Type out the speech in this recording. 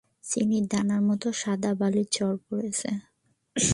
চিনির দানার মতো সাদা বালির চর পড়েছে।